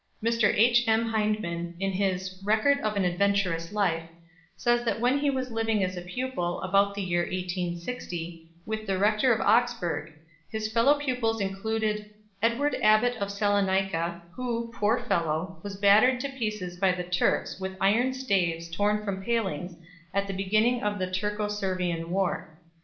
Mr. H.M. Hyndman, in his "Record of an Adventurous Life," says that when he was living as a pupil, about the year 1860, with the Rector of Oxburgh, his fellow pupils included "Edward Abbott of Salonica, who, poor fellow, was battered to pieces by the Turks with iron staves torn from palings at the beginning of the Turco Servian War.